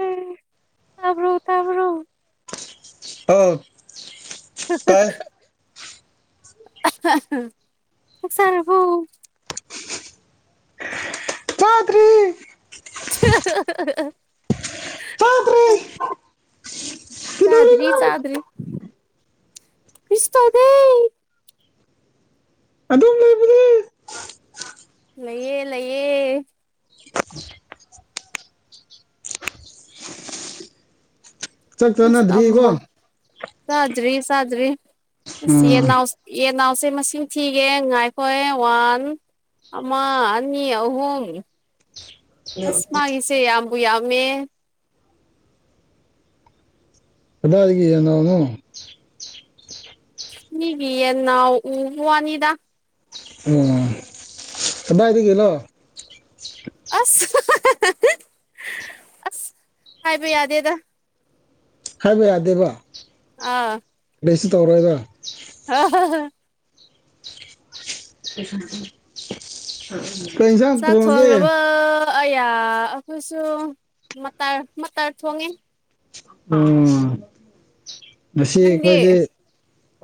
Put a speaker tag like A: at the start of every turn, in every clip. A: ꯎꯝ ꯇꯥꯕ꯭ꯔꯣ ꯇꯥꯕ꯭ꯔꯣ
B: ꯑꯥꯎ
A: ꯍꯥꯍꯥ [inaudible] ꯆꯥꯛ ꯆꯥꯔꯕꯣ
B: ꯆꯥꯗ꯭ꯔꯤ
A: ꯍꯥꯍꯥꯍꯥ
B: ꯆꯥꯗ꯭ꯔꯤ
A: [inaudible] ꯆꯥꯗ꯭ꯔꯤ
B: ꯀꯩꯗꯧꯔꯤꯅꯣ
A: ꯆꯥꯗ꯭ꯔꯤ ꯀ꯭ꯔꯤꯁ ꯇꯧꯗꯦ
B: ꯑꯗꯨꯝ ꯂꯩꯕꯅꯦ
A: ꯂꯩꯌꯦ ꯂꯩꯌꯦ
B: ꯆꯥꯛ
A: ꯑꯁ
B: ꯆꯥꯅꯗ꯭ꯔꯤꯀꯣ
A: ꯑꯃ ꯆꯥꯗ꯭ꯔꯤ ꯆꯥꯗ꯭ꯔꯤ ꯑꯁ ꯌꯦ
B: ꯎꯝ
A: ꯅꯥꯎꯁ ꯌꯦꯟꯅꯥꯎꯁꯦ ꯃꯁꯤꯡ ꯊꯤꯒꯦ ꯉꯥꯏꯈꯣꯑꯦ ꯋꯥꯟ ꯑꯃ ꯑꯅꯤ ꯑꯍꯨꯝ ꯑꯁ ꯃꯥꯒꯤꯁꯦ ꯌꯥꯝꯕꯨ ꯌꯥꯝꯃꯦ
B: ꯀꯗꯥꯏꯗꯒꯤ ꯌꯦꯅꯥꯎꯅꯣ
A: ꯃꯤꯒꯤ ꯌꯦꯟꯅꯥꯎ ꯎꯕ꯭ꯋꯥꯅꯤꯗ
B: ꯎꯝ ꯀꯗꯥꯏꯗꯒꯤꯅꯣ
A: ꯑꯁ ꯑꯁ ꯍꯥꯏꯕ ꯌꯥꯗꯦꯗ
B: ꯍꯥꯏꯕ ꯌꯥꯗꯦꯕ
A: ꯑꯥꯎ
B: ꯀꯩꯁꯨ ꯇꯧꯔꯣꯏꯕ
A: ꯍꯥ ꯍꯥ [inaudible]
B: ꯀꯩꯁꯥꯡ ꯊꯣꯡꯉꯥꯒꯦ
A: ꯑꯛ ꯑꯌꯥ ꯑꯩꯈꯣꯏꯁꯨ ꯃꯇꯜ ꯃꯇꯜ ꯊꯣꯡꯉꯦ
B: ꯑꯣ ꯉꯁꯤ
A: ꯅꯪꯗꯤ
B: ꯑꯩꯈꯣꯏꯗꯤ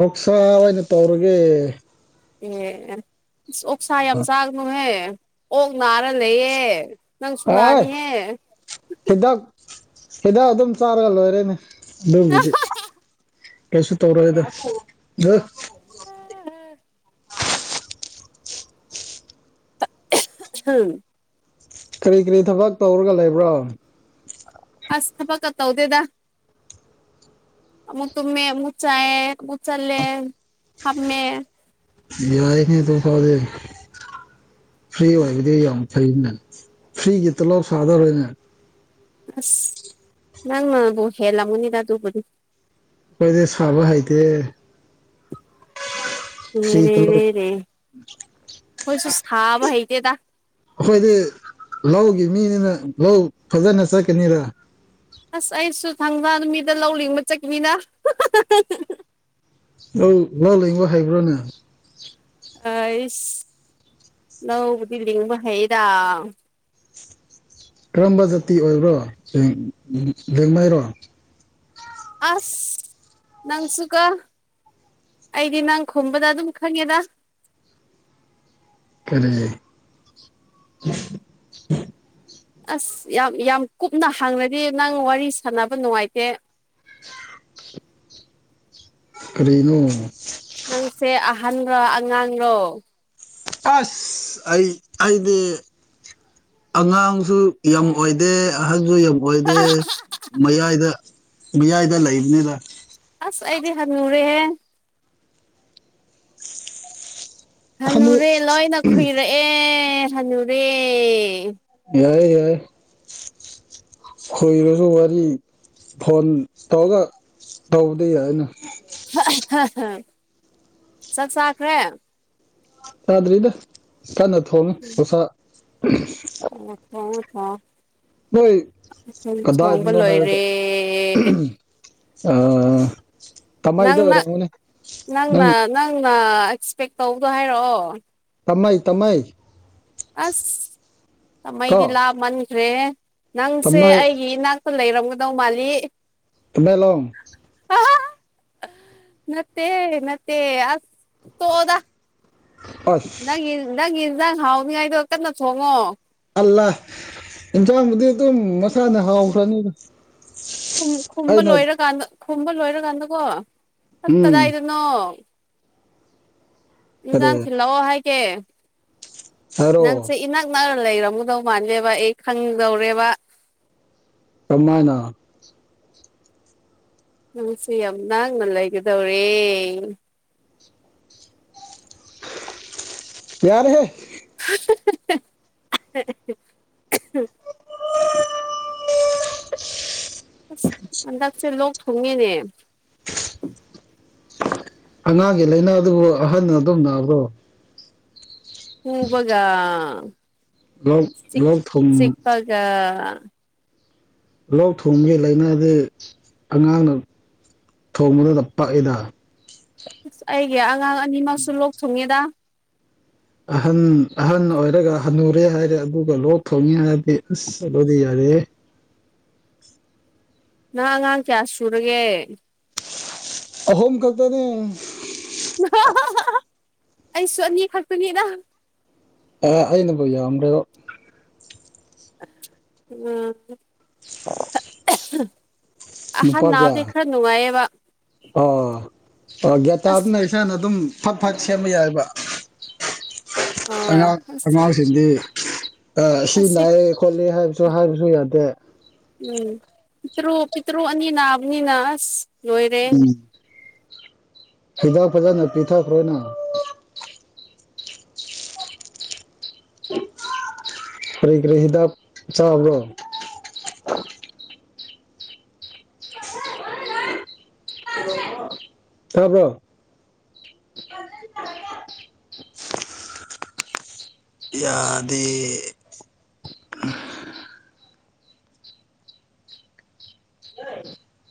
B: ꯑꯣꯛꯁꯥ ꯑꯣꯏꯅ ꯇꯧꯔꯒꯦ
A: ꯑꯦꯁ ꯑꯣꯛꯁꯥ ꯌꯥꯝ ꯆꯥꯒꯅꯨꯍꯦ ꯑꯣꯛ ꯅꯥꯔ ꯂꯩꯌꯦ ꯅꯪꯁꯨ
B: ꯑꯥꯏ
A: ꯅꯥꯅꯤꯍꯦ
B: ꯍꯤꯗꯥꯛ ꯍꯤꯗꯥꯛ ꯑꯗꯨꯝ ꯆꯥꯔꯒ ꯂꯣꯏꯔꯦꯅꯦ ꯑꯗꯨꯒꯤꯗꯤ ꯀꯩꯁꯨ ꯇꯧꯔꯣꯏꯗ [unintelligible]
A: [unintelligible] [unintelligible]
B: ꯀꯔꯤ ꯀꯔꯤ ꯊꯕꯛ ꯇꯧꯔꯒ ꯂꯩꯕ꯭ꯔꯣ
A: ꯑꯁ ꯊꯕꯛꯀ ꯇꯧꯗꯦꯗ ꯑꯃꯨꯛ ꯇꯨꯃꯦ ꯑꯃꯨꯛ ꯆꯥꯏ ꯑꯃꯨꯛ ꯆꯠꯂꯦ ꯐꯝꯃꯦ
B: ꯌꯥꯏꯅꯦ ꯑꯗꯨꯐꯥꯎꯗꯤ ꯐ꯭ꯔꯤ ꯑꯣꯏꯕꯗꯤ ꯌꯥꯝ ꯐꯩꯅꯦ ꯐ꯭ꯔꯤꯒꯤ ꯇꯣꯂꯣꯞ ꯁꯥꯗꯧꯔꯦꯅꯦ
A: ꯑꯁ ꯅꯪꯅꯕꯨ ꯍꯦꯜꯂꯝꯒꯅꯤꯗ ꯑꯗꯨꯕꯨꯗꯤ
B: ꯑꯩꯈꯣꯏꯗꯤ ꯁꯥꯕ ꯍꯩꯇꯦ ꯐ꯭ꯔꯤ
A: ꯔꯦ
B: ꯇꯣꯂꯣꯞ
A: ꯔꯦ ꯔꯦ ꯈꯣꯏꯁꯨ ꯁꯥꯕ ꯍꯩꯇꯦꯗ
B: ꯑꯩꯈꯣꯏꯗꯤ ꯂꯧꯒꯤ ꯃꯤꯅꯤꯅ ꯂꯧ ꯐꯖꯅ ꯆꯠꯀꯅꯤꯗ
A: ꯑꯁ ꯑꯩꯁꯨ ꯊꯪꯖ ꯅꯨꯃꯤꯠꯗ ꯂꯧ ꯂꯤꯡꯕ ꯆꯠꯀꯅꯤꯗ
B: ꯂꯣ ꯂꯤꯡꯕ ꯍꯥꯏꯕ꯭ꯔꯣꯅꯦ
A: ꯑꯩꯁ ꯂꯧꯕꯩꯗꯤ ꯂꯤꯡꯕ ꯍꯩꯗ
B: ꯀꯔꯝꯕ ꯖꯥꯇꯤ ꯑꯣꯏꯕ꯭ꯔꯣ ꯂꯦꯡ ꯂꯦꯡꯃꯥꯏꯔꯣ
A: ꯑꯁ ꯅꯪꯁꯨꯀꯣ ꯑꯩꯗꯤ ꯅꯪ ꯈꯨꯝꯕꯗ ꯑꯗꯨꯝ ꯈꯪꯉꯦꯗ
B: ꯀꯔꯤ
A: ꯑꯁ ꯌꯥꯝ ꯌꯥꯝ ꯀꯨꯞꯅ ꯍꯥꯡꯔꯗꯤ ꯅꯪ ꯋꯥꯔꯤ ꯁꯥꯟꯅꯕ ꯅꯨꯡꯉꯥꯏꯇꯦ
B: ꯀꯔꯤꯅꯣ
A: ꯅꯪꯁꯦ ꯑꯍꯟꯔꯣ ꯑꯉꯥꯡꯔꯣ
B: ꯑꯁ ꯑꯩ ꯑꯩꯗꯤ ꯑꯉꯥꯡꯁꯨ ꯌꯥꯝ ꯑꯣꯏꯗꯦ ꯑꯍꯜꯁꯨ ꯌꯥꯝ ꯑꯣꯏꯗꯦ ꯃꯌꯥꯏꯗ ꯃꯌꯥꯏꯗ ꯂꯩꯕꯅꯤꯗ
A: ꯑꯁ ꯑꯩꯗꯤ ꯍꯟꯅꯨꯔꯦꯍꯦ
B: ꯍꯅꯨ
A: ꯍꯥꯅꯨꯔꯦ ꯂꯣꯏꯅ ꯈꯨꯏꯔꯛꯑꯦ ꯍꯅꯨꯔꯦ
B: ꯌꯥꯏ ꯌꯥꯏ ꯈꯨꯏꯔꯁꯨ ꯋꯥꯔꯤ ꯐꯣꯟ ꯇꯧꯔꯒ ꯇꯥꯎꯕꯗ ꯌꯥꯏꯅ
A: [unintelligible] ꯆꯥꯛ ꯆꯥꯈ꯭ꯔꯦ
B: ꯆꯥꯗ꯭ꯔꯤꯗ ꯀꯟꯅ ꯊꯣꯡꯉꯤ ꯑꯣꯛꯁꯥ
A: [unintelligible]
B: ꯅꯣꯏ
A: [unintelligible] ꯂꯣꯏꯔꯦ
B: ꯑ [unintelligible]
A: ꯅꯪꯅ
B: ꯑꯣꯏꯔꯝꯒꯅꯦ ꯅꯪ
A: ꯅꯪꯅ ꯅꯪꯅ ꯑꯦꯛꯁꯄꯦꯛ ꯇꯧꯕꯗꯣ ꯍꯥꯏꯔꯛꯑꯣ
B: ꯇꯝꯃꯥꯏ ꯇꯝꯃꯥꯏ
A: ꯑꯁ
B: ꯀꯣ
A: ꯇꯃꯩꯗꯤ ꯂꯥꯞ ꯃꯟꯈ꯭ꯔꯦꯍꯦ ꯅꯪꯁꯦ
B: ꯇꯥꯃꯩ
A: ꯑꯩꯒꯤ ꯏꯅꯥꯛ ꯂꯩꯔꯝꯒꯗꯧ ꯃꯥꯜꯂꯤ
B: ꯇꯃꯦꯂꯣꯡ
A: [unintelligible] ꯅꯠꯇꯦ ꯅꯠꯇꯦ ꯇꯣꯛꯑꯣꯗ
B: ꯑꯁ
A: ꯅꯪꯒꯤ ꯅꯪꯒꯤ ꯏꯟꯖꯥꯡ ꯍꯥꯎꯅꯤꯉꯥꯏꯗꯣ ꯀꯟꯅ ꯊꯣꯡꯉꯣ
B: ꯑꯜꯂꯥ ꯏꯟꯁꯥꯡꯕꯨꯗꯤ ꯑꯗꯨꯝ ꯃꯁꯥꯅ ꯍꯥꯎꯈ꯭ꯔꯅꯤꯗ
A: ꯈꯨꯝ ꯈꯨꯝꯕ
B: ꯑꯩꯅ
A: ꯂꯣꯏꯔꯀꯥꯟꯗ ꯈꯨꯝꯕ ꯂꯣꯏꯔꯀꯥꯟꯗꯀꯣ
B: ꯎꯝ
A: ꯀꯗꯥꯏꯗ ꯅꯣ
B: ꯀꯔꯤ
A: ꯏꯟꯖꯥꯟ ꯊꯤꯟꯂꯛꯑꯣ ꯍꯥꯏꯒꯦ
B: ꯍꯥꯏꯔꯛꯑꯣ
A: ꯅꯪꯁꯦ ꯏꯅꯛ ꯅꯛꯔ ꯂꯩꯔꯝꯒꯗꯧ ꯃꯥꯜꯂꯦꯕ ꯑꯩ ꯈꯪꯗꯧꯔꯦꯕ
B: ꯀꯃꯥꯏꯅ
A: ꯅꯪꯁꯤ ꯌꯥꯝ ꯅꯛꯅ ꯂꯩꯒꯗꯧꯔꯦ
B: ꯌꯥꯔꯦꯍꯦ
A: [inaudible] [inaudible] ꯑꯁ ꯍꯟꯗꯛꯁꯦ ꯂꯣꯛ ꯊꯣꯡꯉꯦꯅꯦ
B: ꯑꯉꯥꯡꯒꯤ ꯂꯥꯏꯅꯥꯗꯨꯕꯨ ꯑꯍꯟꯅ ꯑꯗꯨꯝ ꯅꯥꯕ꯭ꯔꯣ
A: ꯎ ꯋꯥꯒ
B: ꯂꯣꯛ ꯂꯣꯛ ꯊꯝ
A: ꯑ
B: ꯂꯧ ꯊꯣꯡꯕꯒꯤ ꯂꯥꯏꯅꯥꯗꯤ ꯑꯉꯥꯡꯅ ꯊꯣꯡꯕꯗꯨꯗ ꯄꯛꯏꯗ
A: ꯑꯁ ꯑꯩꯒꯤ ꯑꯉꯥꯡ ꯑꯅꯤꯃꯛꯁꯨ ꯂꯣꯛ ꯊꯨꯡꯉꯦꯗ
B: ꯑꯍꯟ ꯑꯍꯟ ꯑꯣꯏꯔꯒ ꯍꯜꯟꯅꯨꯔꯦ ꯍꯥꯏꯔꯦ ꯑꯗꯨꯒ ꯂꯣꯛ ꯊꯣꯡꯉꯦ ꯍꯥꯏꯔꯗꯤ ꯑꯁ ꯑꯗꯨꯠꯂꯗꯤ ꯌꯥꯔꯦꯑꯦ
A: ꯅ ꯑꯉꯥꯡ ꯀꯌꯥ ꯁꯨꯔꯒꯦ
B: ꯑꯍꯣꯝ ꯈꯗꯅꯦ
A: ꯑꯩꯁꯨ ꯑꯅꯤ ꯈꯛꯇꯅꯤꯅ
B: ꯑꯦ ꯑꯩꯅꯕꯨ ꯌꯥꯝꯈ꯭ꯔꯦꯕꯣ
A: ꯎꯝ
B: [inaudible]
A: ꯑꯍꯥ
B: ꯅꯨꯄꯥ
A: ꯅꯅꯥ
B: ꯀꯌꯥ
A: ꯗꯈꯔ ꯅꯅꯨꯡꯉꯌꯦ ꯋꯥ
B: ꯑꯣ ꯑꯣ
A: ꯑꯁ
B: ꯒ꯭ꯌꯥꯇꯥꯗꯨꯅ ꯏꯁꯥꯅ ꯑꯗꯨꯝ ꯐꯠ ꯐꯠ ꯁꯦꯝꯕ ꯌꯥꯏꯑꯕ
A: ꯑ
B: ꯑꯉꯥꯡ
A: ꯑꯁ
B: ꯑꯉꯥꯡꯁꯤꯡꯗꯤ ꯁꯤ
A: ꯑꯁꯤ
B: ꯅꯥꯏꯌꯦ ꯈꯣꯠꯂꯤ ꯍꯥꯏꯕꯁꯨ ꯍꯥꯏꯕꯁꯨ ꯌꯥꯗꯦ
A: ꯎꯝ ꯄꯤꯇꯔꯨ ꯄꯤꯇꯔꯨ ꯑꯅꯤ ꯅꯥꯕꯅꯤꯅ ꯑꯁ ꯂꯣꯏꯔꯦ
B: ꯎꯝ ꯍꯤꯗꯥꯛ ꯐꯖꯅ ꯄꯤꯊꯈ꯭ꯔꯣꯅ ꯀꯔ ꯀꯔꯔꯤ ꯍꯤꯗꯞ ꯆꯥꯕ꯭ꯔꯣ ꯍꯥꯥꯕ꯭ꯔꯣ [inaudible] ꯌꯥꯗꯤ